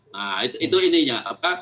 nah itu ininya